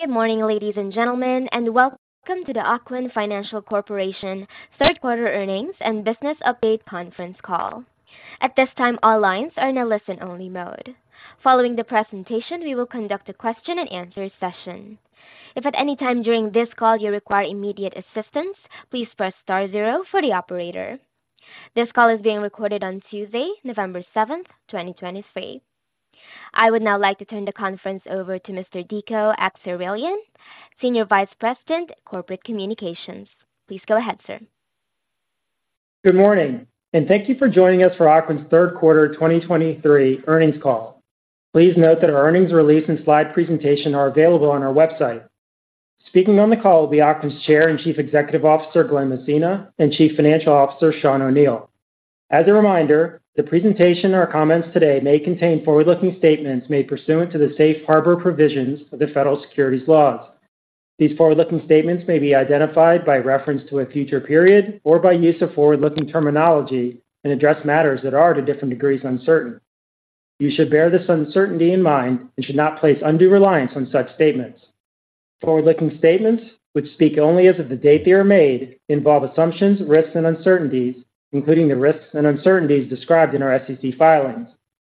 Good morning, ladies and gentlemen, and welcome to the Ocwen Financial Corporation Third Quarter Earnings and Business Update Conference Call. At this time, all lines are in a listen-only mode. Following the presentation, we will conduct a question-and-answer session. If at any time during this call you require immediate assistance, please press star zero for the operator. This call is being recorded on Tuesday, November 7th, 2023. I would now like to turn the conference over to Mr. Dico Akseraylian, Senior Vice President, Corporate Communications. Please go ahead, sir. Good morning, and thank you for joining us for Ocwen's third quarter 2023 earnings call. Please note that our earnings release and slide presentation are available on our website. Speaking on the call will be Ocwen's Chair and Chief Executive Officer, Glen Messina, and Chief Financial Officer, Sean O'Neal. As a reminder, the presentation or comments today may contain forward-looking statements made pursuant to the safe harbor provisions of the Federal Securities laws. These forward-looking statements may be identified by reference to a future period or by use of forward-looking terminology and address matters that are, to different degrees, uncertain. You should bear this uncertainty in mind and should not place undue reliance on such statements. Forward-looking statements, which speak only as of the date they are made, involve assumptions, risks, and uncertainties, including the risks and uncertainties described in our SEC filings.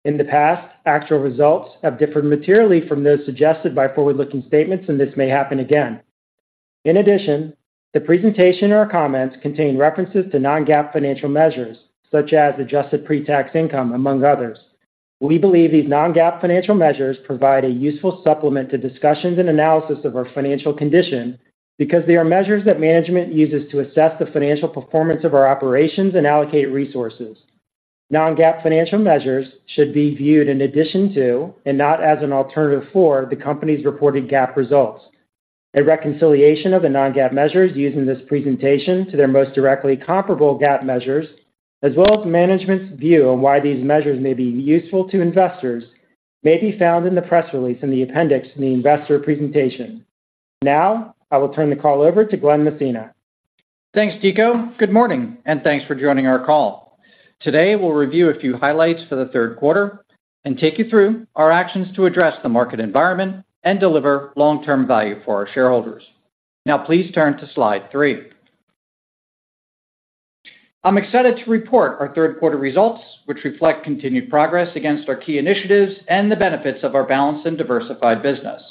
In the past, actual results have differed materially from those suggested by forward-looking statements, and this may happen again. In addition, the presentation or comments contain references to non-GAAP financial measures such as Adjusted Pre-Tax Income, among others. We believe these non-GAAP financial measures provide a useful supplement to discussions and analysis of our financial condition because they are measures that management uses to assess the financial performance of our operations and allocate resources. Non-GAAP financial measures should be viewed in addition to, and not as an alternative for, the company's reported GAAP results. A reconciliation of the non-GAAP measures used in this presentation to their most directly comparable GAAP measures, as well as management's view on why these measures may be useful to investors, may be found in the press release in the appendix in the investor presentation. Now, I will turn the call over to Glen Messina. Thanks, Dico. Good morning, and thanks for joining our call. Today, we'll review a few highlights for the third quarter and take you through our actions to address the market environment and deliver long-term value for our shareholders. Now, please turn to Slide 3. I'm excited to report our third quarter results, which reflect continued progress against our key initiatives and the benefits of our balanced and diversified business.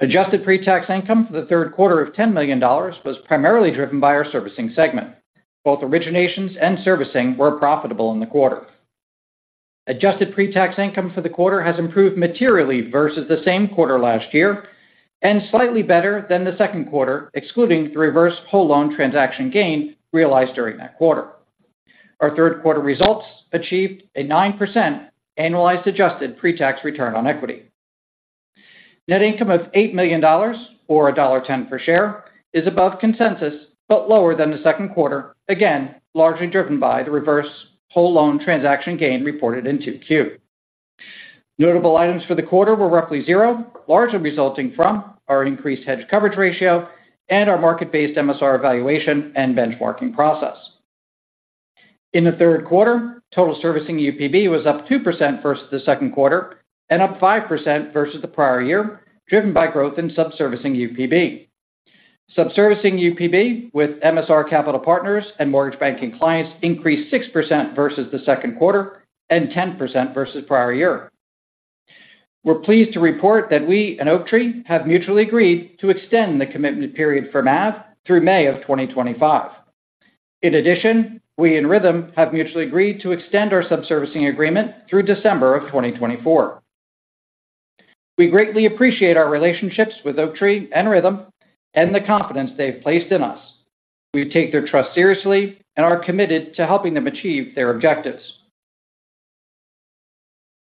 Adjusted Pre-Tax Income for the third quarter of $10 million was primarily driven by our servicing segment. Both originations and servicing were profitable in the quarter. Adjusted Pre-Tax Income for the quarter has improved materially versus the same quarter last year and slightly better than the second quarter, excluding the reverse whole loan transaction gain realized during that quarter. Our third quarter results achieved a 9% annualized adjusted pre-tax return on equity. Net income of $8 million, or $1.10 per share, is above consensus, but lower than the second quarter, again, largely driven by the reverse whole loan transaction gain reported in 2Q. Notable items for the quarter were roughly zero, largely resulting from our increased hedge coverage ratio and our market-based MSR evaluation and benchmarking process. In the third quarter, total servicing UPB was up 2% versus the second quarter and up 5% versus the prior year, driven by growth in subservicing UPB. Subservicing UPB with MSR Capital Partners and mortgage banking clients increased 6% versus the second quarter and 10% versus prior year. We're pleased to report that we and Oaktree have mutually agreed to extend the commitment period for MAV through May 2025. In addition, we and Rithm have mutually agreed to extend our subservicing agreement through December 2024. We greatly appreciate our relationships with Oaktree and Rithm and the confidence they've placed in us. We take their trust seriously and are committed to helping them achieve their objectives.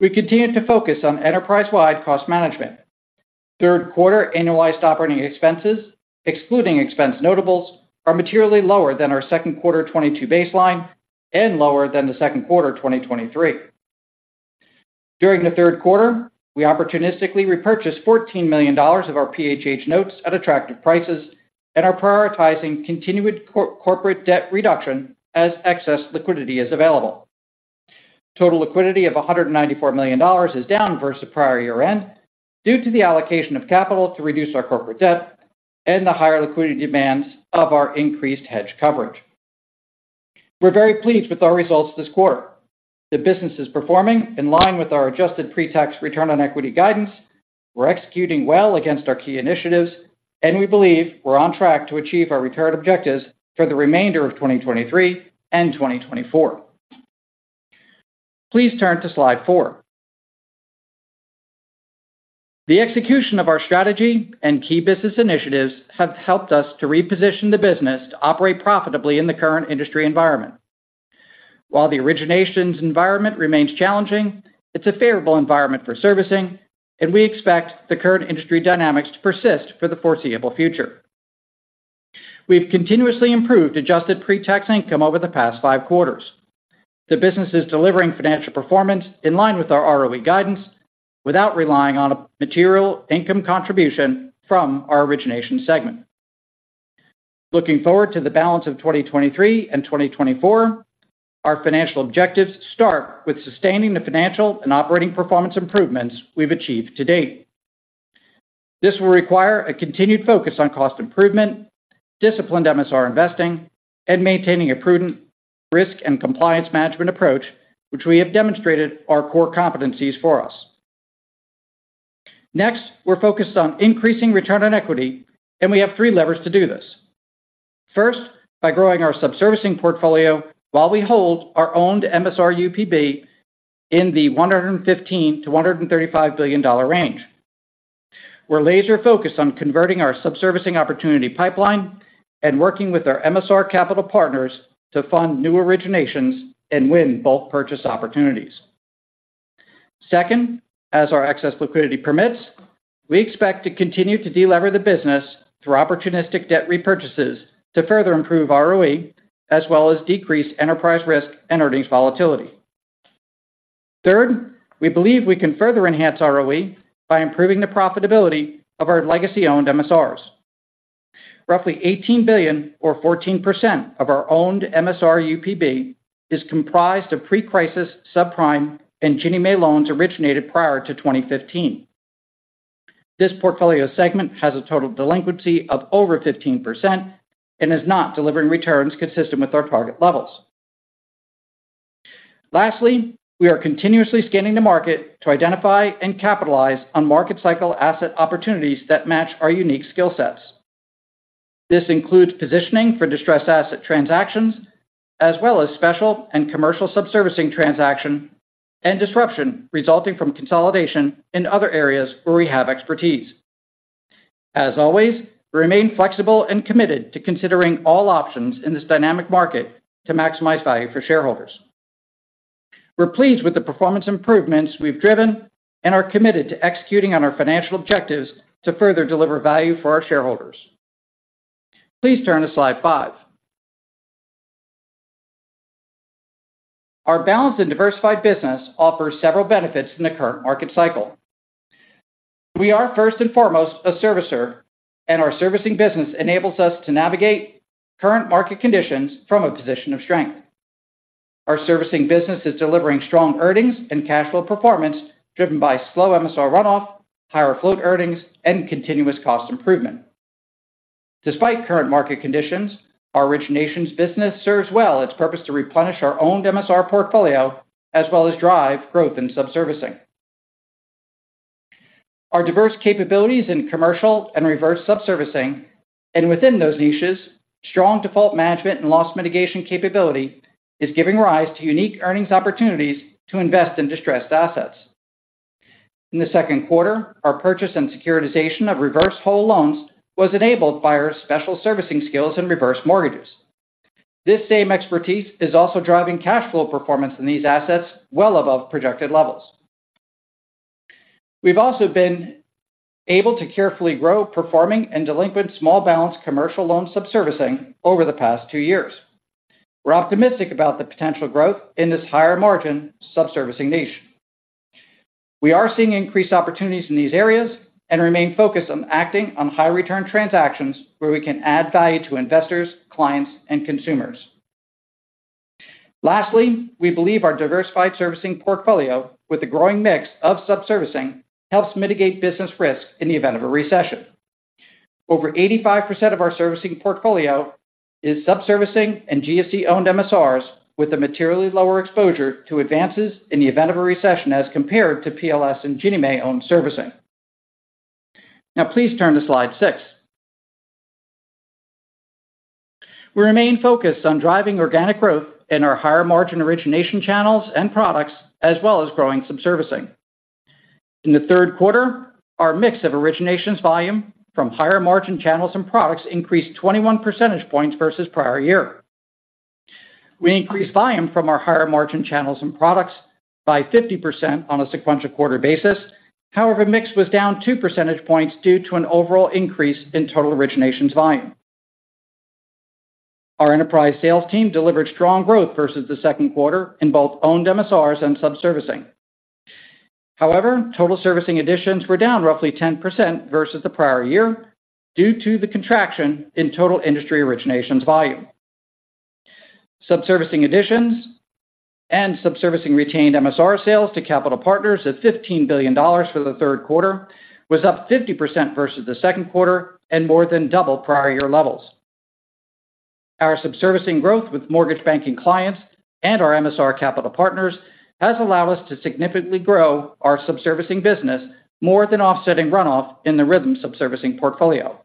We continue to focus on enterprise-wide cost management. Third quarter annualized operating expenses, excluding expense notables, are materially lower than our second quarter 2022 baseline and lower than the second quarter 2023. During the third quarter, we opportunistically repurchased $14 million of our PHH notes at attractive prices and are prioritizing continued corporate debt reduction as excess liquidity is available. Total liquidity of $194 million is down versus the prior year end due to the allocation of capital to reduce our corporate debt and the higher liquidity demands of our increased hedge coverage. We're very pleased with our results this quarter. The business is performing in line with our adjusted pre-tax return on equity guidance. We're executing well against our key initiatives, and we believe we're on track to achieve our returned objectives for the remainder of 2023 and 2024. Please turn to Slide 4. The execution of our strategy and key business initiatives have helped us to reposition the business to operate profitably in the current industry environment. While the originations environment remains challenging, it's a favorable environment for servicing, and we expect the current industry dynamics to persist for the foreseeable future. We've continuously improved Adjusted Pre-Tax Income over the past five quarters. The business is delivering financial performance in line with our ROE guidance without relying on a material income contribution from our origination segment. Looking forward to the balance of 2023 and 2024, our financial objectives start with sustaining the financial and operating performance improvements we've achieved to date. This will require a continued focus on cost improvement, disciplined MSR investing, and maintaining a prudent risk and compliance management approach, which we have demonstrated are core competencies for us. Next, we're focused on increasing return on equity, and we have three levers to do this. First, by growing our subservicing portfolio while we hold our owned MSR UPB in the $115 billion-$135 billion range. We're laser focused on converting our subservicing opportunity pipeline and working with our MSR capital partners to fund new originations and win bulk purchase opportunities. Second, as our excess liquidity permits, we expect to continue to delever the business through opportunistic debt repurchases to further improve ROE, as well as decrease enterprise risk and earnings volatility. Third, we believe we can further enhance ROE by improving the profitability of our legacy-owned MSRs. Roughly $18 billion or 14% of our owned MSR UPB is comprised of pre-crisis, subprime, and Ginnie Mae loans originated prior to 2015. This portfolio segment has a total delinquency of over 15% and is not delivering returns consistent with our target levels. Lastly, we are continuously scanning the market to identify and capitalize on market cycle asset opportunities that match our unique skill sets. This includes positioning for distressed asset transactions, as well as special and commercial subservicing transaction and disruption resulting from consolidation in other areas where we have expertise. As always, we remain flexible and committed to considering all options in this dynamic market to maximize value for shareholders. We're pleased with the performance improvements we've driven and are committed to executing on our financial objectives to further deliver value for our shareholders. Please turn to slide 5. Our balanced and diversified business offers several benefits in the current market cycle. We are first and foremost a servicer, and our servicing business enables us to navigate current market conditions from a position of strength. Our servicing business is delivering strong earnings and cash flow performance, driven by slow MSR runoff, higher float earnings, and continuous cost improvement. Despite current market conditions, our originations business serves well its purpose to replenish our owned MSR portfolio, as well as drive growth in subservicing. Our diverse capabilities in commercial and reverse subservicing, and within those niches, strong default management and loss mitigation capability, is giving rise to unique earnings opportunities to invest in distressed assets. In the second quarter, our purchase and securitization of reverse whole loans was enabled by our special servicing skills in reverse mortgages. This same expertise is also driving cash flow performance in these assets well above projected levels. We've also been able to carefully grow, performing and delinquent small balance commercial loan subservicing over the past two years. We're optimistic about the potential growth in this higher-margin subservicing niche. We are seeing increased opportunities in these areas and remain focused on acting on high return transactions where we can add value to investors, clients, and consumers. Lastly, we believe our diversified servicing portfolio with a growing mix of subservicing, helps mitigate business risk in the event of a recession. Over 85% of our servicing portfolio is subservicing and GSE-owned MSRs, with a materially lower exposure to advances in the event of a recession as compared to PLS and Ginnie Mae-owned servicing. Now, please turn to slide 6. We remain focused on driving organic growth in our higher-margin origination channels and products, as well as growing subservicing. In the third quarter, our mix of originations volume from higher-margin channels and products increased 21 percentage points versus prior year. We increased volume from our higher-margin channels and products by 50% on a sequential quarter basis. However, mix was down 2 percentage points due to an overall increase in total originations volume. Our enterprise sales team delivered strong growth versus the second quarter in both owned MSRs and subservicing. However, total servicing additions were down roughly 10% versus the prior year due to the contraction in total industry originations volume. Subservicing additions and subservicing retained MSR sales to capital partners at $15 billion for the third quarter was up 50% versus the second quarter and more than double prior year levels. Our subservicing growth with mortgage banking clients and our MSR capital partners has allowed us to significantly grow our subservicing business more than offsetting runoff in the Rithm subservicing portfolio.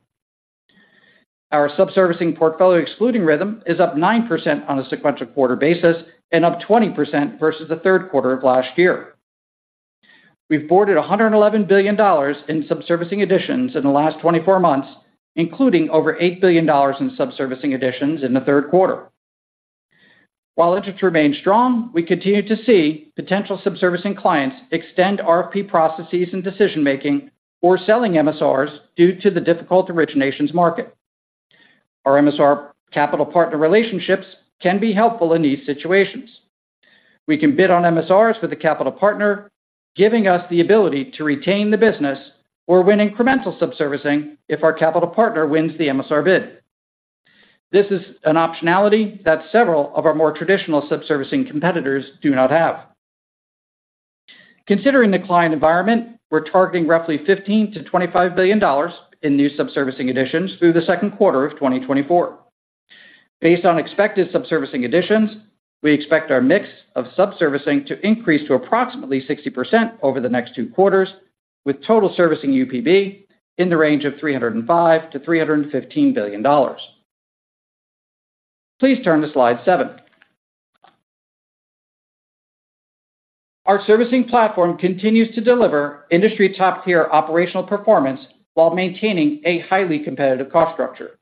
Our subservicing portfolio, excluding Rithm, is up 9% on a sequential quarter basis and up 20% versus the third quarter of last year. We've boarded $111 billion in subservicing additions in the last 24 months, including over $8 billion in subservicing additions in the third quarter. While interest remains strong, we continue to see potential subservicing clients extend RFP processes and decision-making or selling MSRs due to the difficult originations market. Our MSR capital partner relationships can be helpful in these situations. We can bid on MSRs with a capital partner, giving us the ability to retain the business or win incremental subservicing if our capital partner wins the MSR bid. This is an optionality that several of our more traditional subservicing competitors do not have. Considering the client environment, we're targeting roughly $15 billion-$25 billion in new subservicing additions through the second quarter of 2024. Based on expected subservicing additions, we expect our mix of subservicing to increase to approximately 60% over the next two quarters, with total servicing UPB in the range of $305 billion-$315 billion. Please turn to slide 7. Our servicing platform continues to deliver industry top-tier operational performance while maintaining a highly competitive cost structure.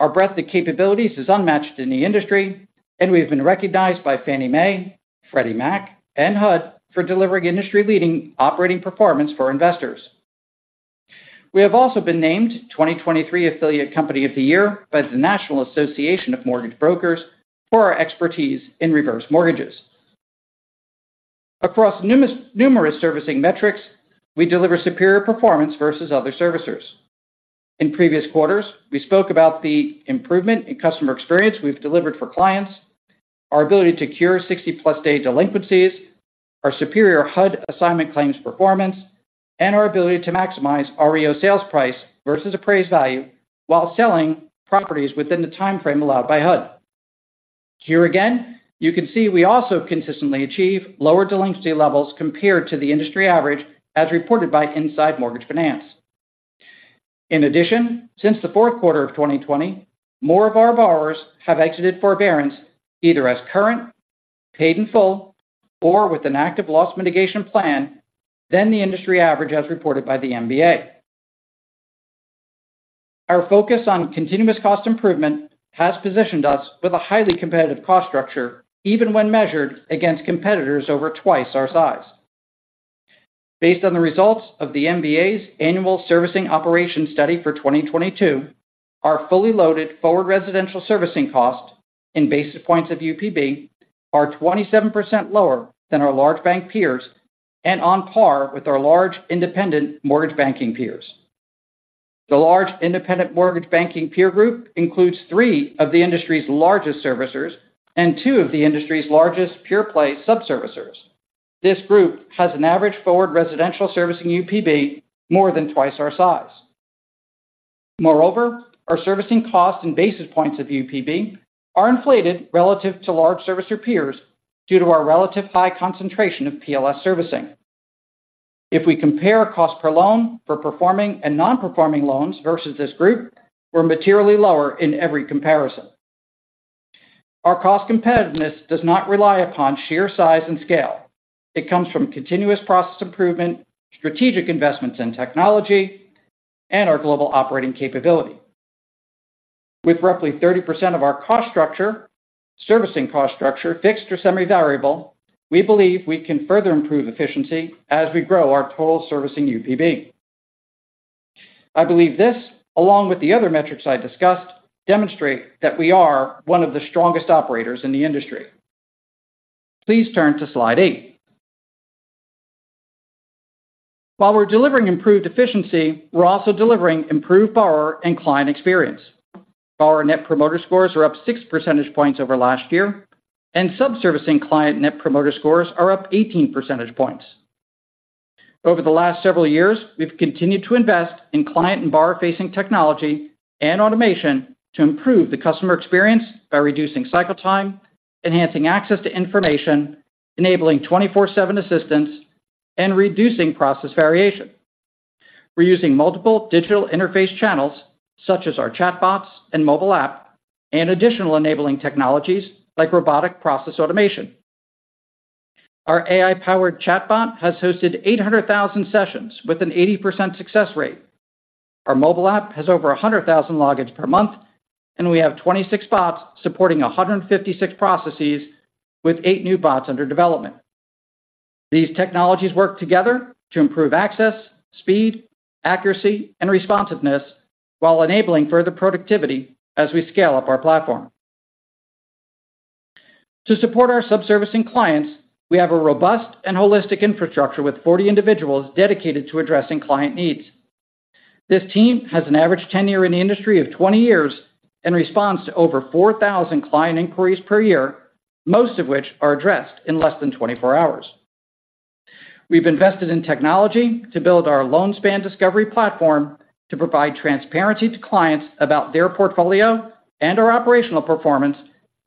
Our breadth of capabilities is unmatched in the industry, and we have been recognized by Fannie Mae, Freddie Mac, and HUD for delivering industry-leading operating performance for investors. We have also been named 2023 Affiliate Company of the Year by the National Association of Mortgage Brokers for our expertise in reverse mortgages. Across numerous servicing metrics, we deliver superior performance versus other servicers. In previous quarters, we spoke about the improvement in customer experience we've delivered for clients, our ability to cure 60+ day delinquencies, our superior HUD assignment claims performance, and our ability to maximize REO sales price versus appraised value while selling properties within the timeframe allowed by HUD. Here again, you can see we also consistently achieve lower delinquency levels compared to the industry average, as reported by Inside Mortgage Finance. In addition, since the fourth quarter of 2020, more of our borrowers have exited forbearance either as current, paid in full, or with an active loss mitigation plan than the industry average, as reported by the MBA. Our focus on continuous cost improvement has positioned us with a highly competitive cost structure, even when measured against competitors over twice our size. Based on the results of the MBA's annual servicing operation study for 2022, our fully loaded forward residential servicing cost in basis points of UPB are 27% lower than our large bank peers and on par with our large independent mortgage banking peers. The large independent mortgage banking peer group includes three of the industry's largest servicers and two of the industry's largest pure-play subservicers. This group has an average forward residential servicing UPB more than twice our size. Moreover, our servicing costs and basis points of UPB are inflated relative to large servicer peers due to our relatively high concentration of PLS servicing. If we compare cost per loan for performing and non-performing loans versus this group, we're materially lower in every comparison. Our cost competitiveness does not rely upon sheer size and scale. It comes from continuous process improvement, strategic investments in technology, and our global operating capability. With roughly 30% of our cost structure, servicing cost structure, fixed or semi-variable, we believe we can further improve efficiency as we grow our total servicing UPB. I believe this, along with the other metrics I discussed, demonstrate that we are one of the strongest operators in the industry. Please turn to slide 8. While we're delivering improved efficiency, we're also delivering improved borrower and client experience. Borrower net promoter scores are up 6 percentage points over last year, and subservicing client net promoter scores are up 18 percentage points. Over the last several years, we've continued to invest in client and borrower-facing technology and automation to improve the customer experience by reducing cycle time, enhancing access to information, enabling 24/7 assistance, and reducing process variation. We're using multiple digital interface channels such as our chatbots and mobile app, and additional enabling technologies like robotic process automation. Our AI-powered chatbot has hosted 800,000 sessions with an 80% success rate. Our mobile app has over 100,000 logins per month, and we have 26 bots supporting 156 processes with 8 new bots under development. These technologies work together to improve access, speed, accuracy, and responsiveness while enabling further productivity as we scale up our platform. To support our subservicing clients, we have a robust and holistic infrastructure with 40 individuals dedicated to addressing client needs. This team has an average tenure in the industry of 20 years and responds to over 4,000 client inquiries per year, most of which are addressed in less than 24 hours. We've invested in technology to build our LoanSpan Discovery platform to provide transparency to clients about their portfolio and our operational performance,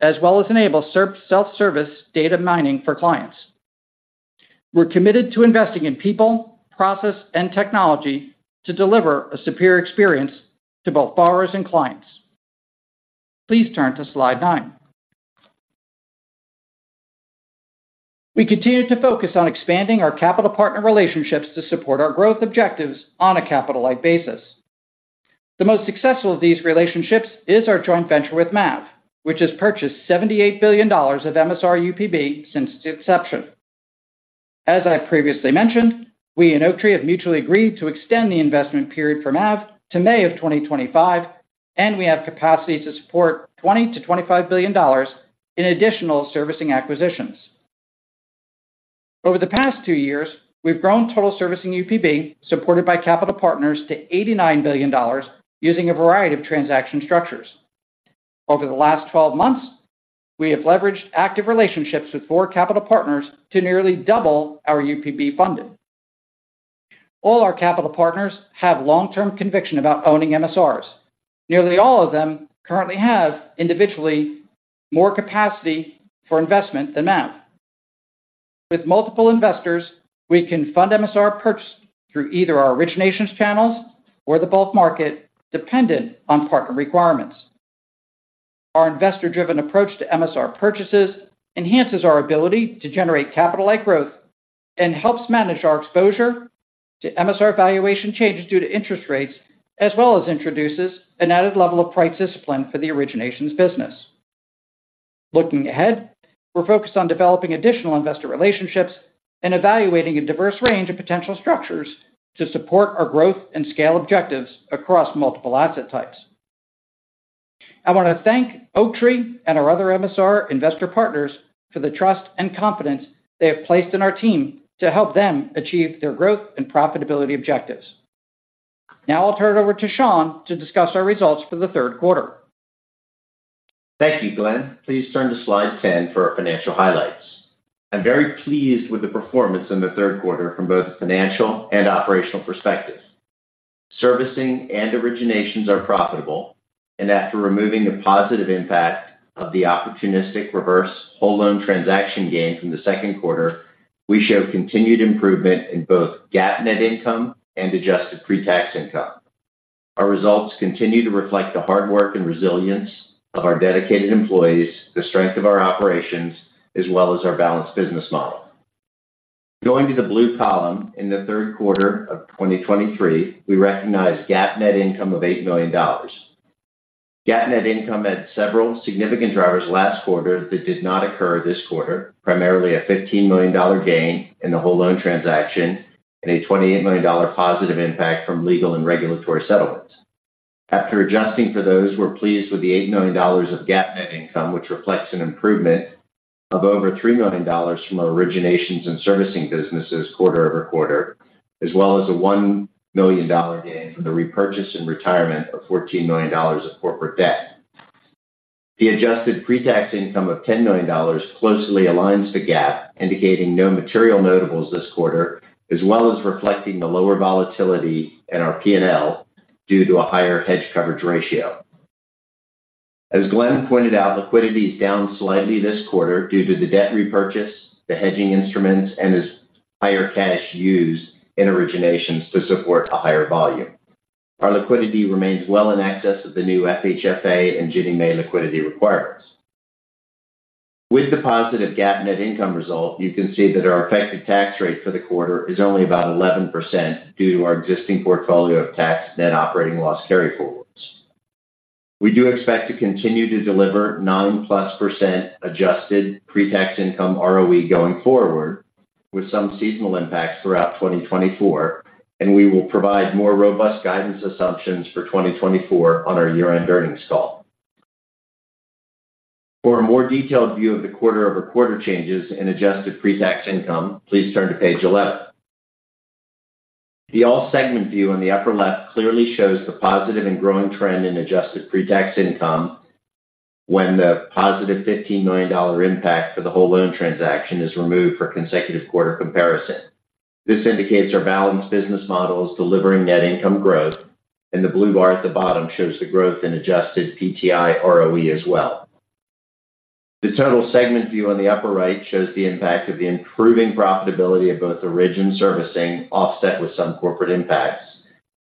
as well as enable self-service data mining for clients. We're committed to investing in people, process, and technology to deliver a superior experience to both borrowers and clients. Please turn to slide 9. We continue to focus on expanding our capital partner relationships to support our growth objectives on a capital-like basis. The most successful of these relationships is our joint venture with MAV, which has purchased $78 billion of MSR UPB since its inception. As I previously mentioned, we and Oaktree have mutually agreed to extend the investment period from April to May of 2025, and we have capacity to support $20 billion-$25 billion in additional servicing acquisitions. Over the past two years, we've grown total servicing UPB, supported by capital partners, to $89 billion, using a variety of transaction structures. Over the last 12 months, we have leveraged active relationships with 4 capital partners to nearly double our UPB funding. All our capital partners have long-term conviction about owning MSRs. Nearly all of them currently have, individually, more capacity for investment than MAV. With multiple investors, we can fund MSR purchase through either our originations channels or the bulk market, dependent on partner requirements. Our investor-driven approach to MSR purchases enhances our ability to generate capital-like growth and helps manage our exposure to MSR valuation changes due to interest rates, as well as introduces an added level of price discipline for the originations business. Looking ahead, we're focused on developing additional investor relationships and evaluating a diverse range of potential structures to support our growth and scale objectives across multiple asset types. I want to thank Oaktree and our other MSR investor partners for the trust and confidence they have placed in our team to help them achieve their growth and profitability objectives. Now I'll turn it over to Sean to discuss our results for the third quarter. Thank you, Glen. Please turn to slide 10 for our financial highlights. I'm very pleased with the performance in the third quarter from both a financial and operational perspective. Servicing and originations are profitable, and after removing the positive impact of the opportunistic reverse whole loan transaction gain from the second quarter, we show continued improvement in both GAAP net income and adjusted pretax income. Our results continue to reflect the hard work and resilience of our dedicated employees, the strength of our operations, as well as our balanced business model. Going to the blue column, in the third quarter of 2023, we recognized GAAP net income of $8 million. GAAP net income had several significant drivers last quarter that did not occur this quarter, primarily a $15 million gain in the whole loan transaction and a $28 million positive impact from legal and regulatory settlements. After adjusting for those, we're pleased with the $8 million of GAAP net income, which reflects an improvement of over $3 million from our originations and servicing businesses quarter-over-quarter, as well as a $1 million gain from the repurchase and retirement of $14 million of corporate debt. The adjusted pretax income of $10 million closely aligns the GAAP, indicating no material notables this quarter, as well as reflecting the lower volatility in our P&L due to a higher hedge coverage ratio. As Glen pointed out, liquidity is down slightly this quarter due to the debt repurchase, the hedging instruments, and as higher cash used in originations to support a higher volume. Our liquidity remains well in excess of the new FHFA and Ginnie Mae liquidity requirements. With the positive GAAP net income result, you can see that our effective tax rate for the quarter is only about 11% due to our existing portfolio of tax net operating loss carryforwards. We do expect to continue to deliver 9%+ adjusted pretax income ROE going forward, with some seasonal impacts throughout 2024, and we will provide more robust guidance assumptions for 2024 on our year-end earnings call. For a more detailed view of the quarter-over-quarter changes in adjusted pretax income, please turn to page 11. The all segment view on the upper left clearly shows the positive and growing trend in adjusted pretax income when the positive $15 million impact for the whole loan transaction is removed for consecutive quarter comparison. This indicates our balanced business model is delivering net income growth, and the blue bar at the bottom shows the growth in adjusted PTI ROE as well. The total segment view on the upper right shows the impact of the improving profitability of both origin servicing, offset with some corporate impacts,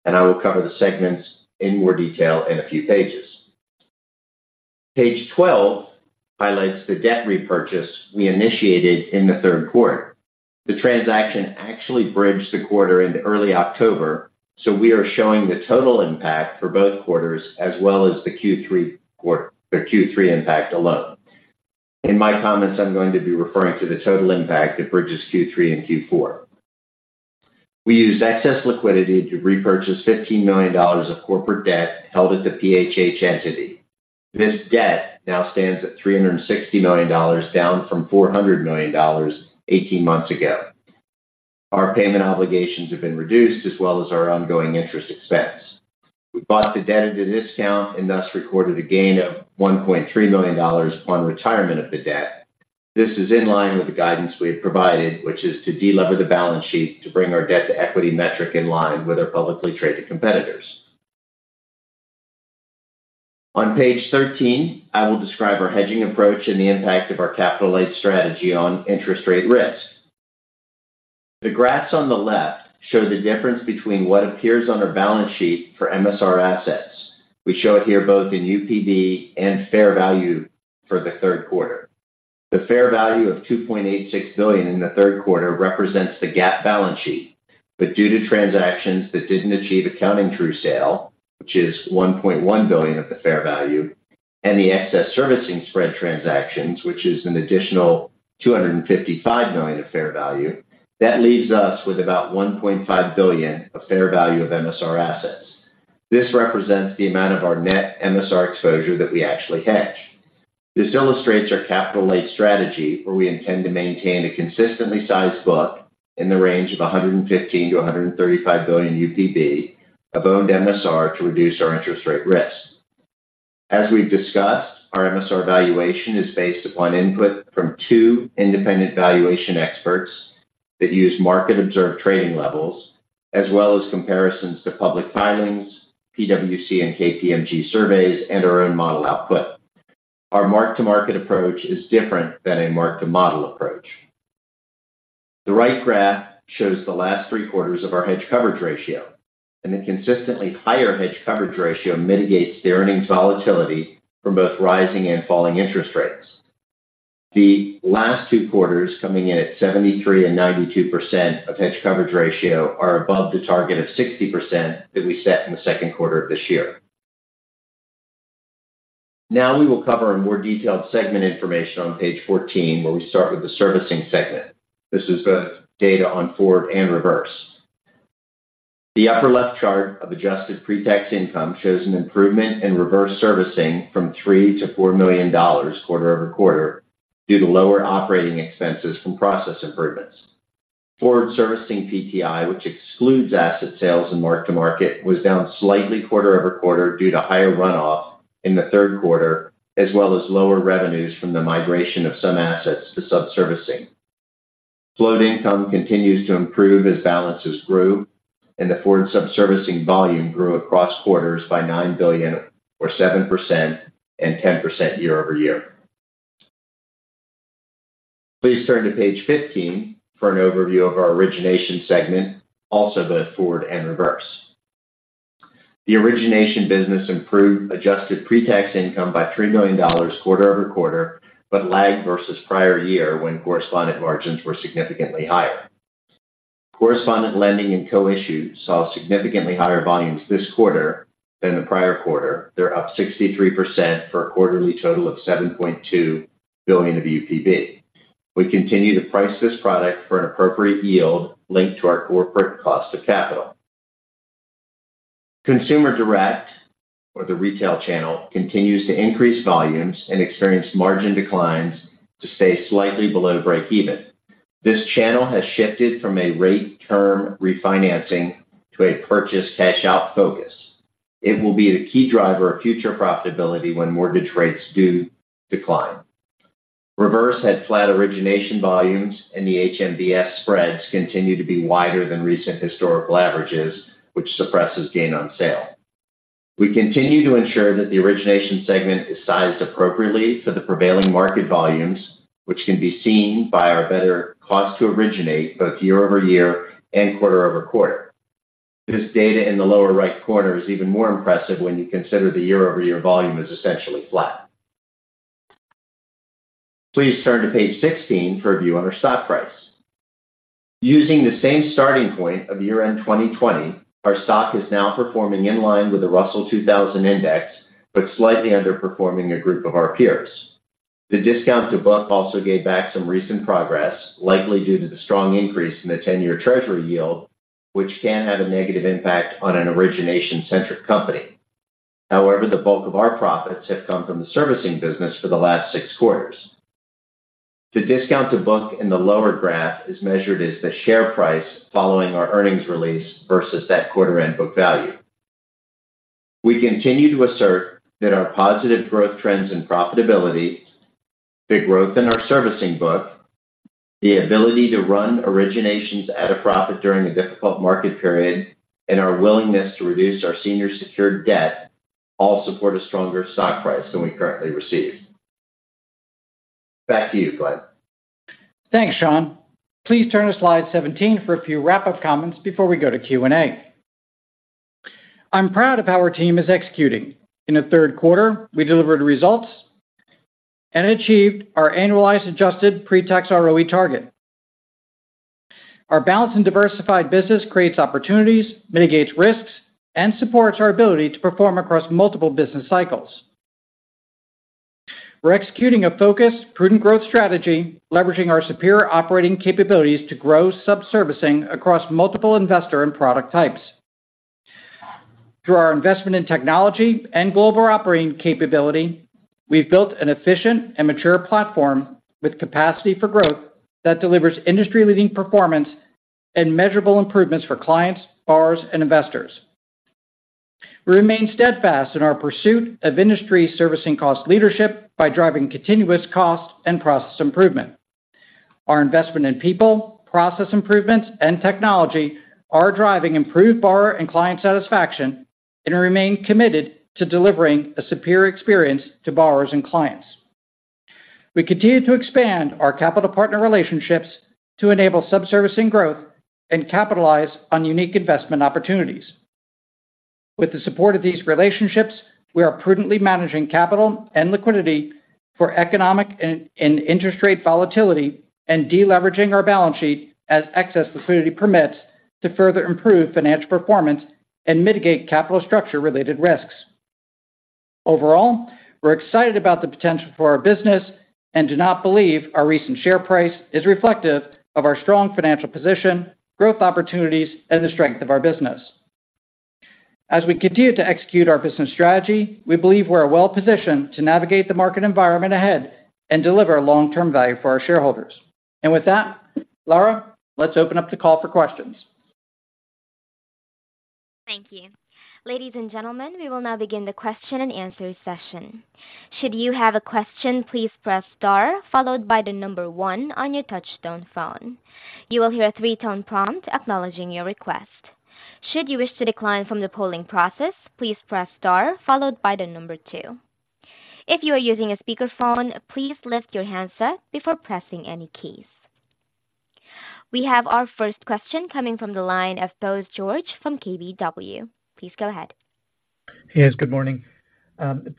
and I will cover the segments in more detail in a few pages. Page 12 highlights the debt repurchase we initiated in the third quarter. The transaction actually bridged the quarter into early October, so we are showing the total impact for both quarters as well as the Q3 impact alone. In my comments, I'm going to be referring to the total impact that bridges Q3 and Q4. We used excess liquidity to repurchase $15 million of corporate debt held at the PHH entity. This debt now stands at $360 million, down from $400 million 18 months ago. Our payment obligations have been reduced, as well as our ongoing interest expense. We bought the debt at a discount and thus recorded a gain of $1.3 million upon retirement of the debt. This is in line with the guidance we have provided, which is to delever the balance sheet, to bring our debt-to-equity metric in line with our publicly traded competitors. On page 13, I will describe our hedging approach and the impact of our capital-light strategy on interest rate risk. The graphs on the left show the difference between what appears on our balance sheet for MSR assets. We show it here, both in UPB and fair value for the third quarter. The fair value of $2.86 billion in the third quarter represents the GAAP balance sheet, but due to transactions that didn't achieve accounting true sale, which is $1.1 billion of the fair value, and the excess servicing spread transactions, which is an additional $255 million of fair value, that leaves us with about $1.5 billion of fair value of MSR assets. This represents the amount of our net MSR exposure that we actually hedge. This illustrates our capital-light strategy, where we intend to maintain a consistently sized book in the range of $115 billion-$135 billion UPB, of owned MSR to reduce our interest rate risk. As we've discussed, our MSR valuation is based upon input from two independent valuation experts that use market-observed trading levels, as well as comparisons to public filings, PwC and KPMG surveys, and our own model output. Our mark-to-market approach is different than a mark-to-model approach. The right graph shows the last three quarters of our hedge coverage ratio, and the consistently higher hedge coverage ratio mitigates the earnings volatility from both rising and falling interest rates. The last two quarters, coming in at 73% and 92% hedge coverage ratio, are above the target of 60% that we set in the second quarter of this year. Now we will cover a more detailed segment information on page 14, where we start with the servicing segment. This is both data on forward and reverse. The upper left chart of Adjusted Pre-Tax Income shows an improvement in reverse servicing from $3 million-$4 million quarter-over-quarter, due to lower operating expenses from process improvements. Forward servicing PTI, which excludes asset sales and mark-to-market, was down slightly quarter-over-quarter due to higher runoff in the third quarter, as well as lower revenues from the migration of some assets to subservicing. Float income continues to improve as balances grew, and the forward subservicing volume grew across quarters by $9 billion, or 7% and 10% year-over-year. Please turn to page 15 for an overview of our origination segment, also both forward and reverse. The origination business improved Adjusted Pre-Tax Income by $3 million quarter-over-quarter, but lagged versus prior year when correspondent margins were significantly higher. Correspondent lending and co-issue saw significantly higher volumes this quarter than the prior quarter. They're up 63% for a quarterly total of $7.2 billion of UPB. We continue to price this product for an appropriate yield linked to our corporate cost of capital. Consumer direct, or the retail channel, continues to increase volumes and experience margin declines to stay slightly below breakeven. This channel has shifted from a rate term refinancing to a purchase cash-out focus. It will be the key driver of future profitability when mortgage rates do decline. Reverse had flat origination volumes, and the HMBS spreads continue to be wider than recent historical averages, which suppresses gain on sale. We continue to ensure that the origination segment is sized appropriately for the prevailing market volumes, which can be seen by our better cost to originate both year-over-year and quarter-over-quarter. This data in the lower right corner is even more impressive when you consider the year-over-year volume is essentially flat. Please turn to page 16 for a view on our stock price. Using the same starting point of year-end 2020, our stock is now performing in line with the Russell 2000 Index, but slightly underperforming a group of our peers. The discount to book also gave back some recent progress, likely due to the strong increase in the 10-year Treasury yield, which can have a negative impact on an origination-centric company. However, the bulk of our profits have come from the servicing business for the last six quarters. The discount to book in the lower graph is measured as the share price following our earnings release versus that quarter-end book value. We continue to assert that our positive growth trends and profitability, the growth in our servicing book, the ability to run originations at a profit during a difficult market period, and our willingness to reduce our senior secured debt all support a stronger stock price than we currently receive. Back to you, Glen. Thanks, Sean. Please turn to slide 17 for a few wrap-up comments before we go to Q&A. I'm proud of how our team is executing. In the third quarter, we delivered results and achieved our annualized adjusted pretax ROE target. Our balanced and diversified business creates opportunities, mitigates risks, and supports our ability to perform across multiple business cycles. We're executing a focused, prudent growth strategy, leveraging our superior operating capabilities to grow subservicing across multiple investor and product types. Through our investment in technology and global operating capability, we've built an efficient and mature platform with capacity for growth that delivers industry-leading performance and measurable improvements for clients, borrowers, and investors. We remain steadfast in our pursuit of industry servicing cost leadership by driving continuous cost and process improvement. Our investment in people, process improvements, and technology are driving improved borrower and client satisfaction, and remain committed to delivering a superior experience to borrowers and clients. We continue to expand our capital partner relationships to enable subservicing growth and capitalize on unique investment opportunities. With the support of these relationships, we are prudently managing capital and liquidity for economic and interest rate volatility and deleveraging our balance sheet as excess liquidity permits to further improve financial performance and mitigate capital structure related risks. Overall, we're excited about the potential for our business and do not believe our recent share price is reflective of our strong financial position, growth opportunities, and the strength of our business. As we continue to execute our business strategy, we believe we're well-positioned to navigate the market environment ahead and deliver long-term value for our shareholders. With that, Laura, let's open up the call for questions. Thank you. Ladies and gentlemen, we will now begin the question-and-answer session. Should you have a question, please press star followed by the number one on your touchtone phone. You will hear a three-tone prompt acknowledging your request. Should you wish to decline from the polling process, please press star followed by the number two. If you are using a speakerphone, please lift your handset before pressing any keys. We have our first question coming from the line of Bose George from KBW. Please go ahead. Yes, good morning.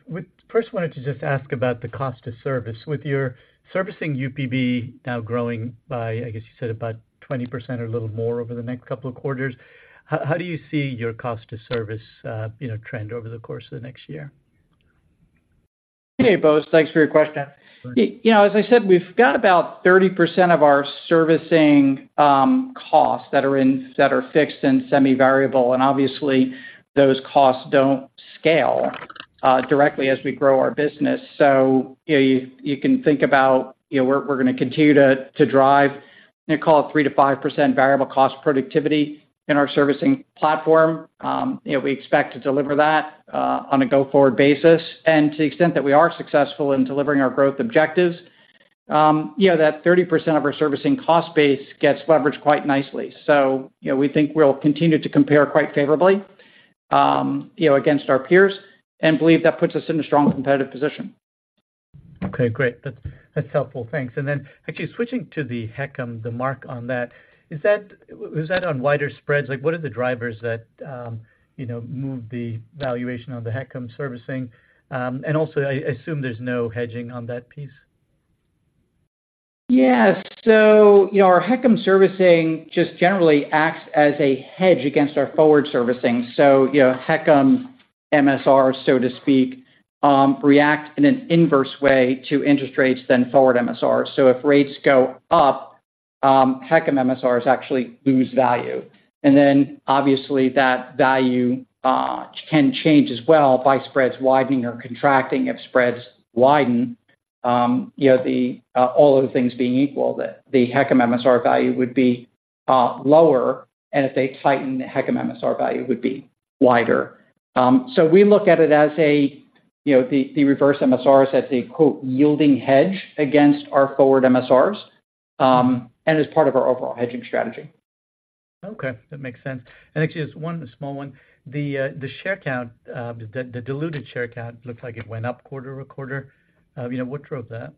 We first wanted to just ask about the cost of service. With your servicing UPB now growing by, I guess, you said, about 20% or a little more over the next couple of quarters, how do you see your cost of service, you know, trend over the course of the next year? Hey, Bose, thanks for your question. You know, as I said, we've got about 30% of our servicing costs that are fixed and semi-variable, and obviously, those costs don't scale directly as we grow our business. So you can think about, you know, we're going to continue to drive, you know, call it 3%-5% variable cost productivity in our servicing platform. You know, we expect to deliver that on a go-forward basis. And to the extent that we are successful in delivering our growth objectives, yeah, that 30% of our servicing cost base gets leveraged quite nicely. So, you know, we think we'll continue to compare quite favorably, you know, against our peers and believe that puts us in a strong competitive position. Okay, great. That's helpful. Thanks. And then, actually switching to the HECM, the mark on that, is that on wider spreads? Like, what are the drivers that, you know, move the valuation on the HECM servicing? And also, I assume there's no hedging on that piece. Yeah. So, you know, our HECM servicing just generally acts as a hedge against our forward servicing. So, you know, HECM MSR, so to speak, react in an inverse way to interest rates than forward MSR. So if rates go up, HECM MSR actually lose value. And then obviously, that value can change as well by spreads widening or contracting. If spreads widen, you know, the, all other things being equal, the HECM MSR value would be lower, and if they tighten, the HECM MSR value would be wider. So we look at it as a, you know, the reverse MSRs, as a, quote, "yielding hedge" against our forward MSRs, and as part of our overall hedging strategy. Okay, that makes sense. Actually, just one small one. The share count, the diluted share count looks like it went up quarter-over-quarter. You know, what drove that?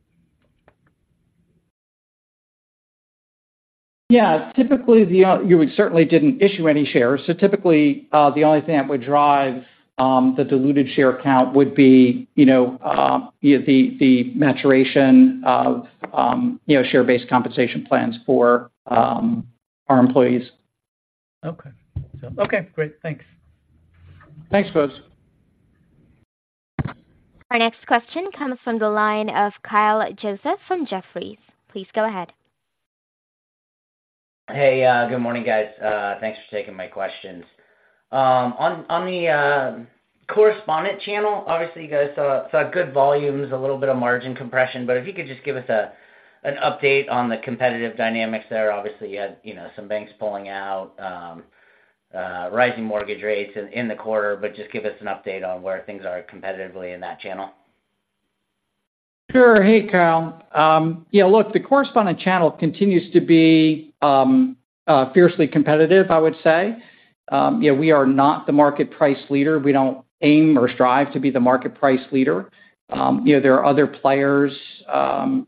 Yeah. Typically, we certainly didn't issue any shares, so typically, the only thing that would drive the diluted share count would be, you know, you know, share-based compensation plans for our employees. Okay. So, okay, great. Thanks. Thanks, Bose. Our next question comes from the line of Kyle Joseph from Jefferies. Please go ahead. Hey, good morning, guys. Thanks for taking my questions. On the correspondent channel, obviously, you guys saw good volumes, a little bit of margin compression, but if you could just give us an update on the competitive dynamics there. Obviously, you had, you know, some banks pulling out, rising mortgage rates in the quarter, but just give us an update on where things are competitively in that channel. Sure. Hey, Kyle. Yeah, look, the correspondent channel continues to be fiercely competitive, I would say. You know, we are not the market price leader. We don't aim or strive to be the market price leader. You know, there are other players,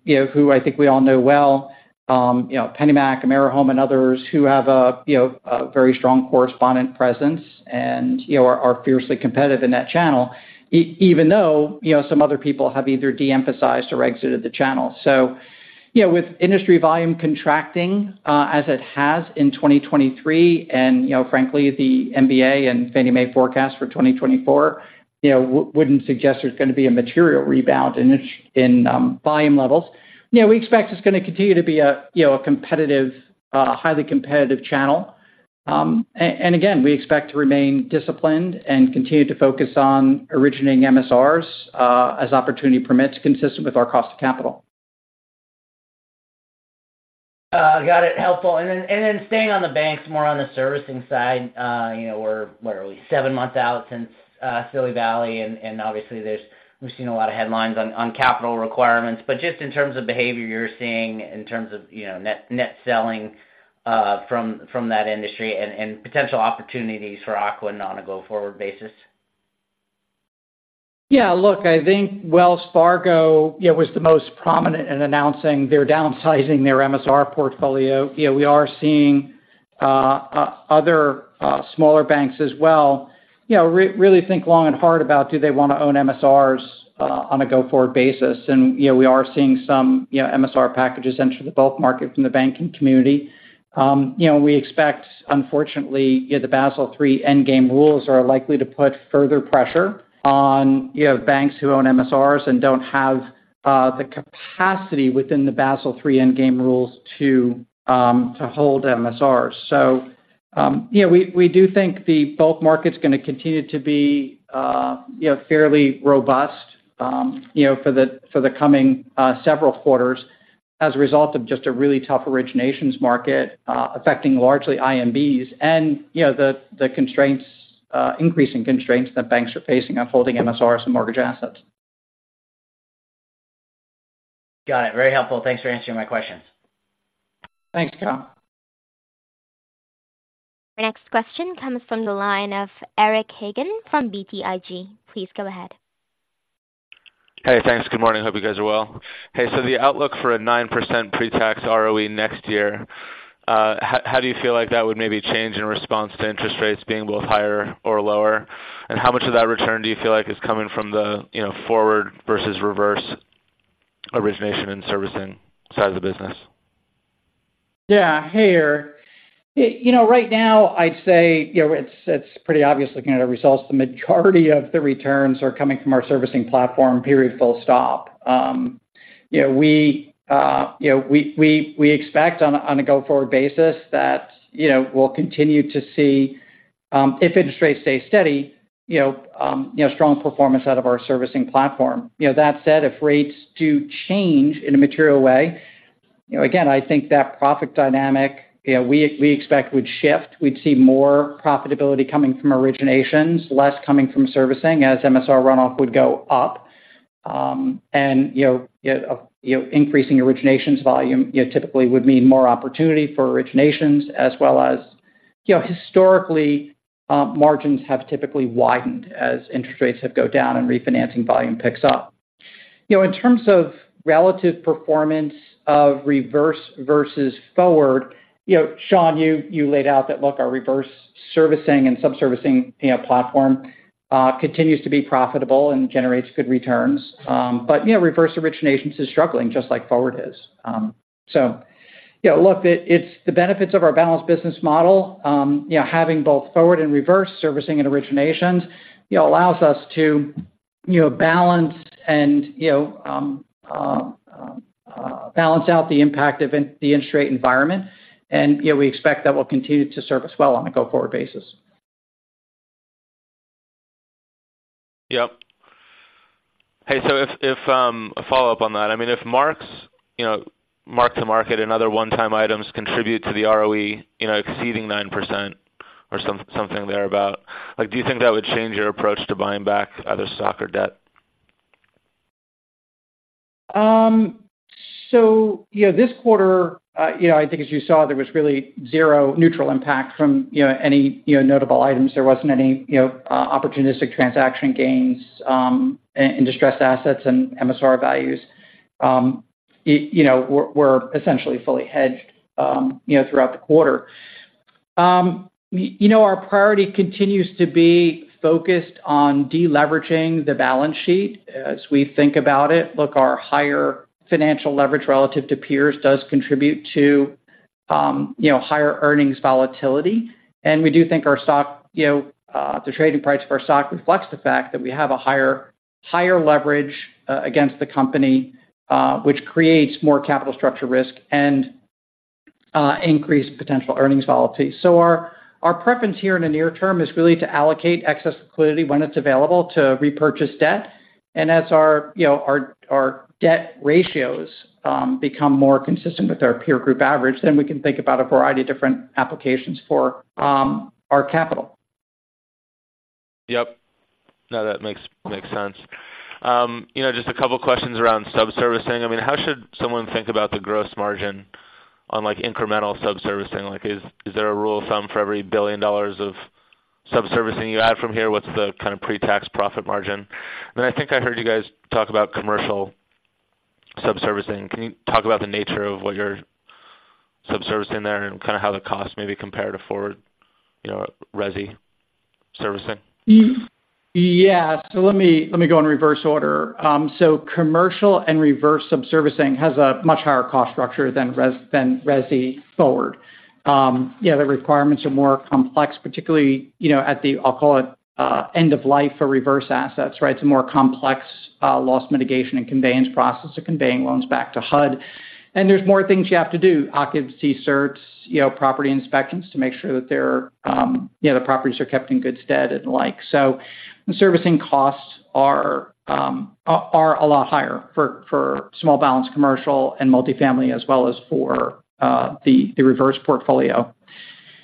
you know, who I think we all know well. You know, PennyMac, AmeriHome, and others who have a, you know, a very strong correspondent presence and, you know, are fiercely competitive in that channel, even though, you know, some other people have either de-emphasized or exited the channel. So, you know, with industry volume contracting, as it has in 2023, and, you know, frankly, the MBA and Fannie Mae forecast for 2024, you know, wouldn't suggest there's going to be a material rebound in volume levels. You know, we expect it's going to continue to be a, you know, a competitive, highly competitive channel. And again, we expect to remain disciplined and continue to focus on originating MSRs, as opportunity permits, consistent with our cost of capital. Got it. Helpful. And then, staying on the banks, more on the servicing side, you know, we're, what are we? Seven months out since Silicon Valley Bank, and obviously there's, we've seen a lot of headlines on capital requirements, but just in terms of behavior you're seeing in terms of, you know, net selling from that industry and potential opportunities for Ocwen on a go-forward basis. Yeah, look, I think Wells Fargo, yeah, was the most prominent in announcing they're downsizing their MSR portfolio. You know, we are seeing other smaller banks as well. You know, really think long and hard about, do they want to own MSRs on a go-forward basis? And, you know, we are seeing some, you know, MSR packages enter the bulk market from the banking community. You know, we expect, unfortunately, the Basel III Endgame rules are likely to put further pressure on, you know, banks who own MSRs and don't have the capacity within the Basel III Endgame rules to hold MSRs. So, yeah, we do think the bulk market's going to continue to be, you know, fairly robust, you know, for the coming several quarters as a result of just a really tough originations market, affecting largely IMBs and, you know, the constraints, increasing constraints that banks are facing on holding MSRs and mortgage assets. Got it. Very helpful. Thanks for answering my questions. Thanks, Kyle. The next question comes from the line of Eric Hagen from BTIG. Please go ahead. Hey, thanks. Good morning. Hope you guys are well. Hey, so the outlook for a 9% pretax ROE next year, how do you feel like that would maybe change in response to interest rates being both higher or lower? And how much of that return do you feel like is coming from the, you know, forward versus reverse origination and servicing side of the business? Yeah. Hey, Eric. You know, right now, I'd say, you know, it's pretty obvious, looking at our results, the majority of the returns are coming from our servicing platform, period, full stop. You know, we expect on a go-forward basis that, you know, we'll continue to see, you know, strong performance out of our servicing platform. You know, that said, if rates do change in a material way, you know, again, I think that profit dynamic, you know, we expect would shift. We'd see more profitability coming from originations, less coming from servicing, as MSR runoff would go up. You know, increasing originations volume, you know, typically would mean more opportunity for originations, as well as, you know, historically, margins have typically widened as interest rates have go down and refinancing volume picks up. You know, in terms of relative performance of reverse versus forward, you know, Sean, you laid out that, look, our reverse servicing and subservicing, you know, platform continues to be profitable and generates good returns. So, you know, look, it's the benefits of our balanced business model, you know, having both forward and reverse servicing and originations, you know, allows us to, you know, balance and balance out the impact of the interest rate environment. You know, we expect that will continue to serve us well on a go-forward basis. Yep. Hey, so if a follow-up on that, I mean, if mark-to-market and other one-time items contribute to the ROE, you know, exceeding 9% or something thereabout, like, do you think that would change your approach to buying back either stock or debt? So yeah, this quarter, you know, I think as you saw, there was really zero neutral impact from, you know, any, you know, notable items. There wasn't any, you know, opportunistic transaction gains, and distressed assets and MSR values. It, you know, we're essentially fully hedged, you know, throughout the quarter. You know, our priority continues to be focused on deleveraging the balance sheet as we think about it. Look, our higher financial leverage relative to peers does contribute to, you know, higher earnings volatility. And we do think our stock, you know, the trading price of our stock reflects the fact that we have a higher, higher leverage against the company, which creates more capital structure risk and increased potential earnings volatility. So our preference here in the near term is really to allocate excess liquidity when it's available to repurchase debt. And as our, you know, debt ratios become more consistent with our peer group average, then we can think about a variety of different applications for our capital. Yep. No, that makes sense. You know, just a couple questions around subservicing. I mean, how should someone think about the gross margin on, like, incremental subservicing? Like, is there a rule of thumb for every $1 billion of subservicing you add from here, what's the kind of pre-tax profit margin? And I think I heard you guys talk about commercial subservicing. Can you talk about the nature of what you're subservicing there and kind of how the costs may be compared to forward, you know, resi servicing? Yeah. So let me go in reverse order. So commercial and reverse subservicing has a much higher cost structure than resi forward. Yeah, the requirements are more complex, particularly, you know, at the, I'll call it, end of life for reverse assets, right? It's a more complex loss mitigation and conveyance process of conveying loans back to HUD. And there's more things you have to do, occupancy certs, you know, property inspections to make sure that they're, you know, the properties are kept in good stead and the like. So the servicing costs are a lot higher for small balance commercial and multifamily, as well as for the reverse portfolio.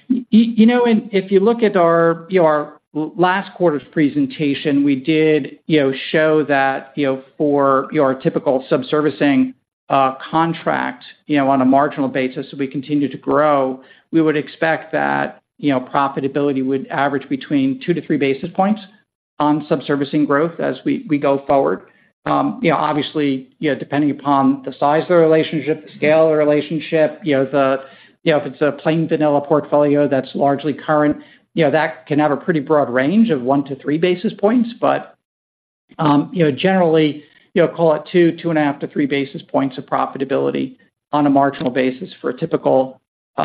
You know, and if you look at our, you know, our last quarter's presentation, we did, you know, show that, you know, for your typical subservicing contract, you know, on a marginal basis, so we continue to grow, we would expect that, you know, profitability would average between 2-3 basis points on subservicing growth as we go forward. You know, obviously, you know, depending upon the size of the relationship, the scale of the relationship, you know, if it's a plain vanilla portfolio that's largely current, you know, that can have a pretty broad range of 1-3 basis points. But, you know, generally, you know, call it 2, 2.5-3 basis points of profitability on a marginal basis for a typical, you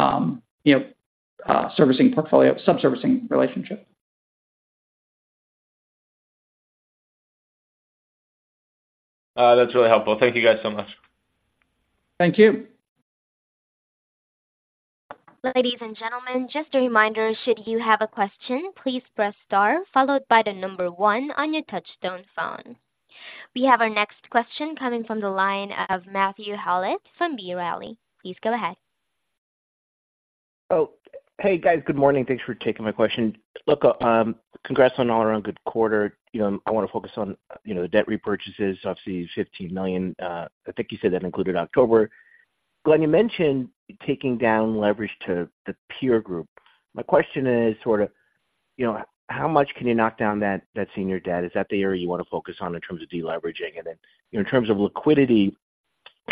know, servicing portfolio, subservicing relationship. That's really helpful. Thank you, guys, so much. Thank you. Ladies and gentlemen, just a reminder, should you have a question, please press star followed by the number one on your touch-tone phone. We have our next question coming from the line of Matthew Howlett from B. Riley. Please go ahead. Oh, hey, guys. Good morning. Thanks for taking my question. Look, congrats on all around good quarter. You know, I wanna focus on, you know, the debt repurchases, obviously, $15 million. I think you said that included October. Glen, you mentioned taking down leverage to the peer group. My question is sort of, you know, how much can you knock down that, that senior debt? Is that the area you want to focus on in terms of deleveraging? And then, you know, in terms of liquidity,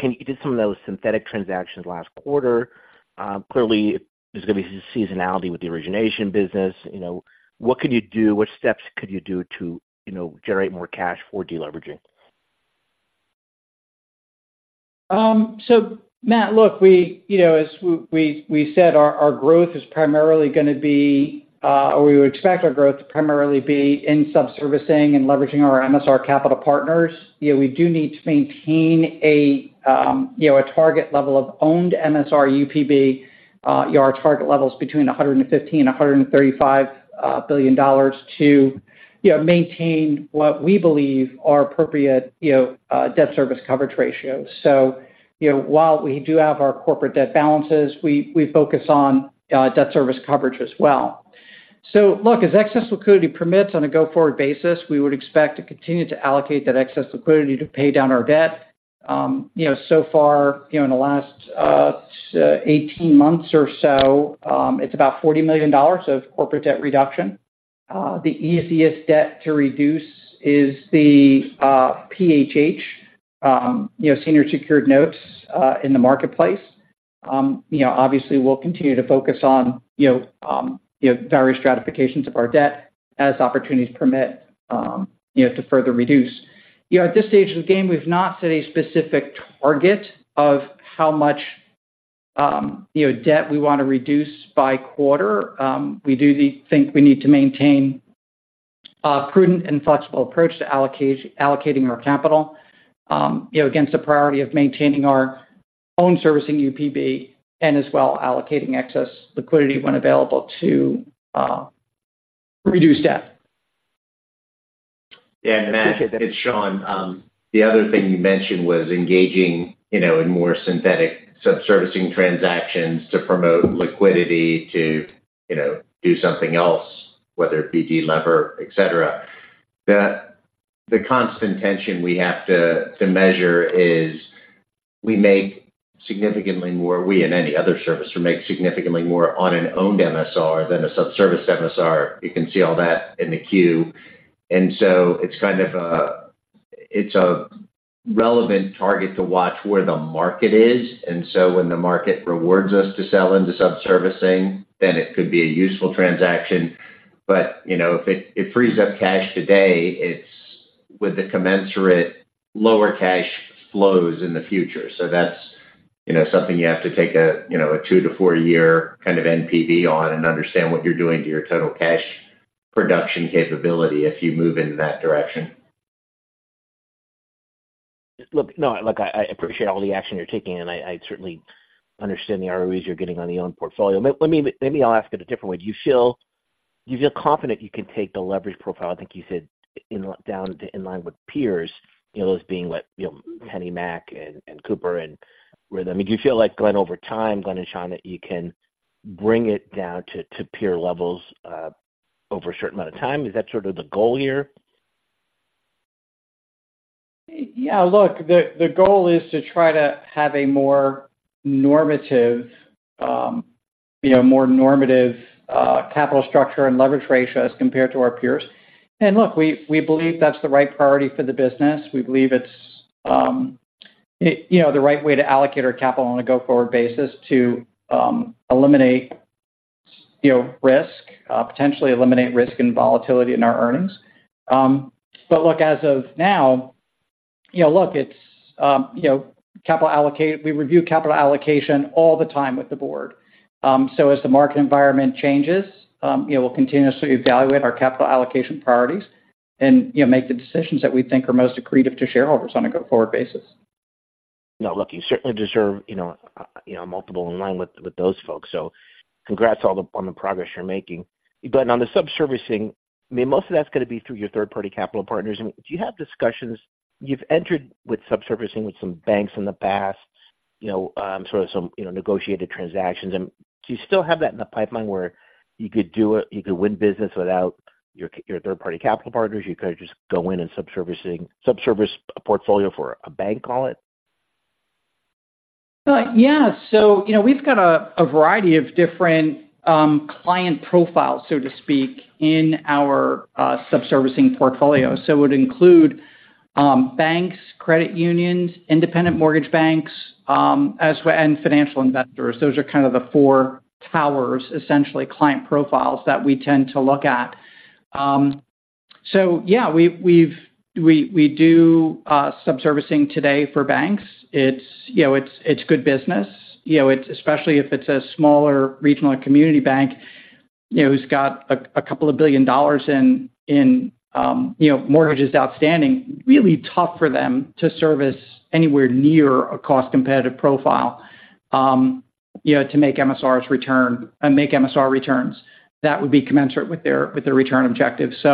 you did some of those synthetic transactions last quarter. Clearly, there's gonna be seasonality with the origination business. You know, what could you do? What steps could you do to, you know, generate more cash for deleveraging? So Matt, look, you know, as we said, our growth is primarily gonna be, or we would expect our growth to primarily be in subservicing and leveraging our MSR capital partners. You know, we do need to maintain a target level of owned MSR UPB. Our target level is between $115 billion and $135 billion to maintain what we believe are appropriate debt service coverage ratios. So, you know, while we do have our corporate debt balances, we focus on debt service coverage as well. So look, as excess liquidity permits on a go-forward basis, we would expect to continue to allocate that excess liquidity to pay down our debt. You know, so far, you know, in the last 18 months or so, it's about $40 million of corporate debt reduction. The easiest debt to reduce is the PHH senior secured notes in the marketplace. You know, obviously, we'll continue to focus on, you know, various stratifications of our debt as opportunities permit, you know, to further reduce. You know, at this stage of the game, we've not set a specific target of how much, you know, debt we want to reduce by quarter. We do think we need to maintain a prudent and flexible approach to allocating our capital, you know, against the priority of maintaining our own servicing UPB and as well, allocating excess liquidity when available to reduce debt. Yeah, Matt, it's Sean. The other thing you mentioned was engaging, you know, in more synthetic subservicing transactions to promote liquidity to, you know, do something else, whether it be delever, et cetera. The constant tension we have to measure is we make significantly more, we and any other servicer, make significantly more on an owned MSR than a subservicing MSR. You can see all that in the Q. And so it's a relevant target to watch where the market is. And so when the market rewards us to sell into subservicing, then it could be a useful transaction. But, you know, if it frees up cash today, it's with the commensurate lower cash flows in the future. So that's, you know, something you have to take a, you know, a 2-4-year kind of NPV on and understand what you're doing to your total cash production capability if you move in that direction. Look, I appreciate all the action you're taking, and I certainly understand the ROEs you're getting on your own portfolio. Let me, maybe I'll ask it a different way. Do you feel confident you can take the leverage profile, I think you said, it down to in line with peers, you know, as being what, you know, PennyMac and, and Mr. Cooper and Rithm? Do you feel like Glen, over time, Glen and Sean, that you can bring it down to peer levels over a certain amount of time? Is that sort of the goal here? Yeah, look, the goal is to try to have a more normative, you know, more normative, capital structure and leverage ratio as compared to our peers. And look, we believe that's the right priority for the business. We believe it's, you know, the right way to allocate our capital on a go-forward basis to, eliminate, you know, risk, potentially eliminate risk and volatility in our earnings. But look, as of now, you know, look, it's, you know, capital allocation. We review capital allocation all the time with the Board. So as the market environment changes, you know, we'll continuously evaluate our capital allocation priorities and, you know, make the decisions that we think are most accretive to shareholders on a go-forward basis. Now, look, you certainly deserve, you know, you know, a multiple in line with, with those folks, so congrats on the progress you're making. But on the subservicing, I mean, most of that's gonna be through your third-party capital partners. I mean, do you have discussions. You've entered with subservicing with some banks in the past, you know, sort of some, you know, negotiated transactions. And do you still have that in the pipeline where you could do it, you could win business without your, your third-party capital partners? You could just go in and subservicing, subservice a portfolio for a bank, call it? Yeah, so, you know, we've got a variety of different client profiles, so to speak, in our subservicing portfolio. So it would include banks, credit unions, independent mortgage banks, as well, and financial investors. Those are kind of the four towers, essentially, client profiles that we tend to look at. So yeah, we do subservicing today for banks. It's good business. You know, it's especially if it's a smaller regional community bank, you know, who's got $2 billion in mortgages outstanding. Really tough for them to service anywhere near a cost-competitive profile, you know, and make MSR returns that would be commensurate with their, with their return objectives. you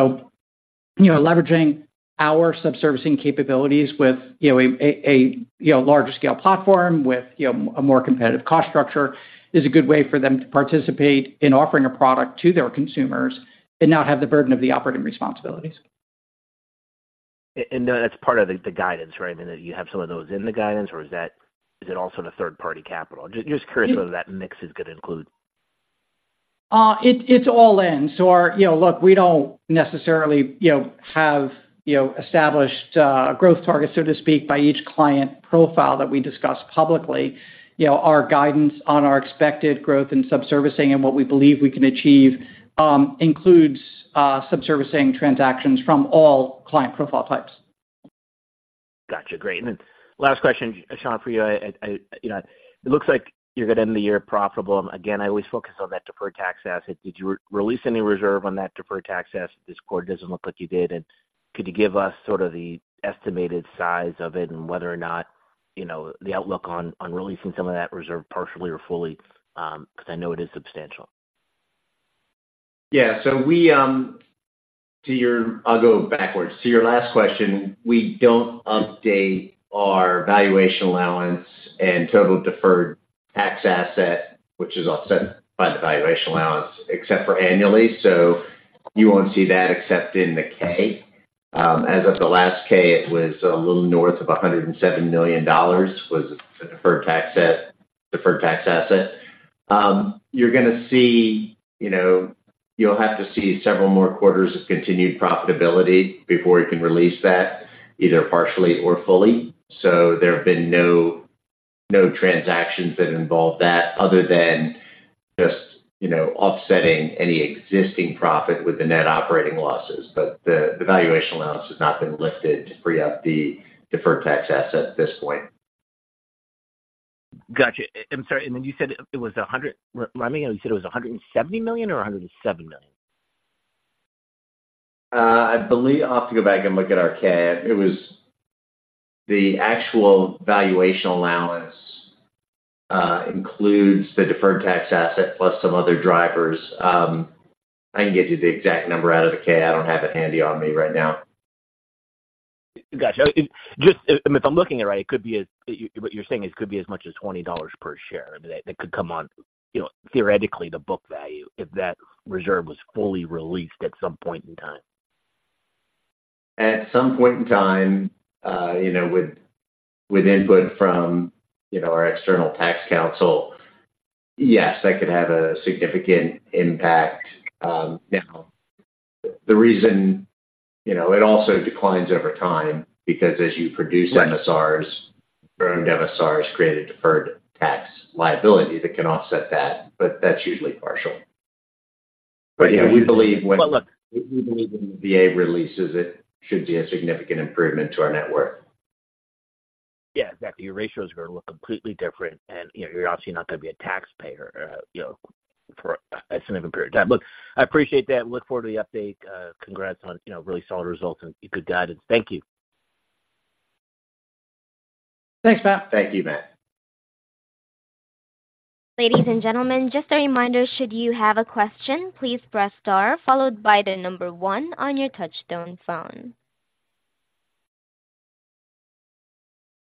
know, leveraging our subservicing capabilities with, you know, larger scale platform with, you know, a more competitive cost structure is a good way for them to participate in offering a product to their consumers and not have the burden of the operating responsibilities. And, that's part of the guidance, right? I mean, that you have some of those in the guidance or is that, is it also the third-party capital? Just curious what that mix is gonna include. It's all in. You know, look, we don't necessarily, you know, have, you know, established growth targets, so to speak, by each client profile that we discuss publicly. You know, our guidance on our expected growth in subservicing and what we believe we can achieve includes subservicing transactions from all client profile types. Gotcha. Great. And then last question, Sean, for you. You know, it looks like you're gonna end the year profitable. Again, I always focus on that deferred tax asset. Did you release any reserve on that deferred tax asset this quarter? It doesn't look like you did, and could you give us sort of the estimated size of it and whether or not, you know, the outlook on releasing some of that reserve, partially or fully? Because I know it is substantial. Yeah. I'll go backwards. To your last question, we don't update our valuation allowance and total deferred tax asset, which is offset by the valuation allowance, except for annually. So you won't see that except in the K. As of the last K, it was a little north of $107 million, was the deferred tax asset, deferred tax asset. You're gonna see. You know, you'll have to see several more quarters of continued profitability before you can release that, either partially or fully. So there have been no transactions that involve that other than just, you know, offsetting any existing profit with the net operating losses. But the valuation allowance has not been lifted to free up the deferred tax asset at this point. Gotcha. I'm sorry, and then you said it was 100, remind me again, you said it was $170 million or $107 million? I believe I'll have to go back and look at our K. It was the actual valuation allowance, includes the deferred tax asset plus some other drivers. I can get you the exact number out of the K. I don't have it handy on me right now. Gotcha. Just, if I'm looking at it right, what you're saying, it could be as much as $20 per share that could come on, you know, theoretically, the book value, if that reserve was fully released at some point in time. At some point in time, you know, with input from, you know, our external tax counsel, yes, that could have a significant impact. Now, the reason, you know, it also declines over time because as you produce MSRs, earned MSRs create a deferred tax liability that can offset that, but that's usually partial. But, you know, we believe when the VA releases, it should be a significant improvement to our net worth. Yeah, exactly. Your ratios are gonna look completely different, and, you know, you're obviously not gonna be a taxpayer, you know, for a significant period of time. Look, I appreciate that and look forward to the update. Congrats on, you know, really solid results and good guidance. Thank you. Thanks, Matt. Thank you, Matt. Ladies and gentlemen, just a reminder, should you have a question, please press star followed by the number one on your touch-tone phone.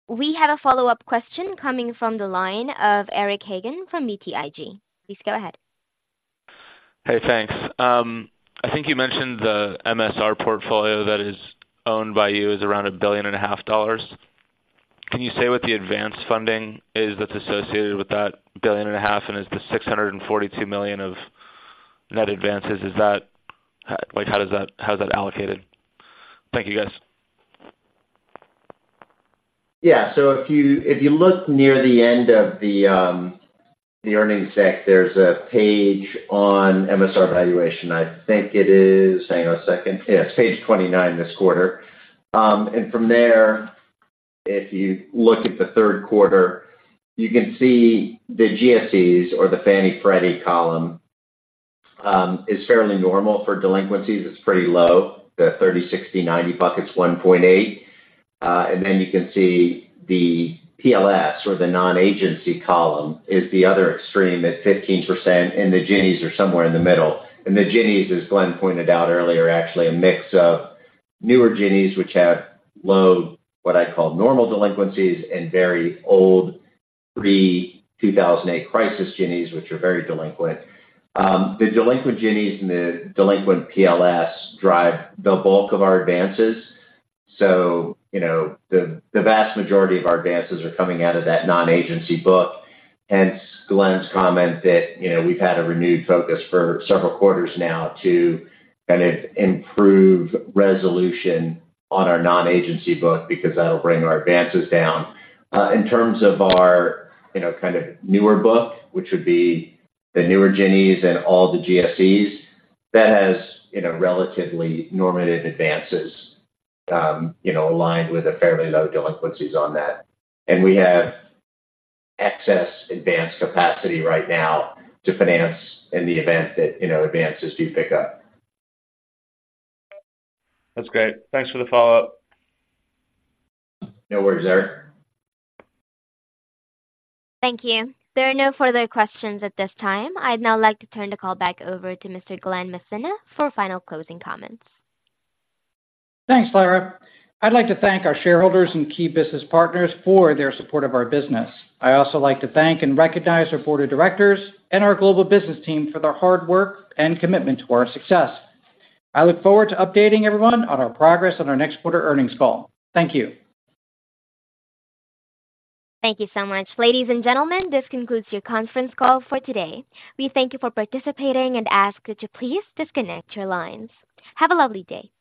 We have a follow-up question coming from the line of Eric Hagen from BTIG. Please go ahead. Hey, thanks. I think you mentioned the MSR portfolio that is owned by you is around $1.5 billion. Can you say what the advanced funding is that's associated with that $1.5 billion, and is the $642 million of net advances, like, how does that, how is that allocated? Thank you, guys. Yeah. So if you look near the end of the earnings deck, there's a page on MSR valuation. Yeah, it's page 29 this quarter. And from there, if you look at the third quarter, you can see the GSEs, or the Fannie/Freddie column, is fairly normal for delinquencies. It's pretty low. The 30, 60, 90 bucket's 1.8. And then you can see the PLS, or the non-agency column, is the other extreme at 15%, and the Ginnies are somewhere in the middle. And the Ginnies, as Glen pointed out earlier, are actually a mix of newer Ginnies, which have low, what I call normal delinquencies, and very old pre-2008 crisis Ginnies, which are very delinquent. The delinquent Ginnies and the delinquent PLS drive the bulk of our advances. So, you know, the vast majority of our advances are coming out of that non-agency book, hence Glen's comment that, you know, we've had a renewed focus for several quarters now to kind of improve resolution on our non-agency book, because that'll bring our advances down. In terms of our, you know, kind of newer book, which would be the newer Ginnies and all the GSEs, that has, you know, relatively normative advances, you know, aligned with a fairly low delinquencies on that. And we have excess advanced capacity right now to finance in the event that, you know, advances do pick up. That's great. Thanks for the follow-up. No worries, sir. Thank you. There are no further questions at this time. I'd now like to turn the call back over to Mr. Glen Messina for final closing comments. Thanks, Laura. I'd like to thank our shareholders and key business partners for their support of our business. I'd also like to thank and recognize our board of directors and our global business team for their hard work and commitment to our success. I look forward to updating everyone on our progress on our next quarter earnings call. Thank you. Thank you so much. Ladies and gentlemen, this concludes your conference call for today. We thank you for participating and ask that you please disconnect your lines. Have a lovely day.